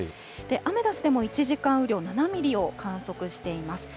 アメダスでも１時間雨量７ミリを観測しています。